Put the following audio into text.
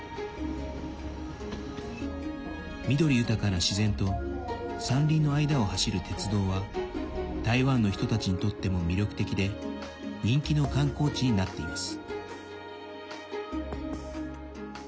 緑豊かな自然と山林の間を走る鉄道は台湾の人たちにとっても魅力的で人気の観光地になっています。